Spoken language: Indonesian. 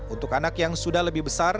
untuk anak yang sudah lebih besar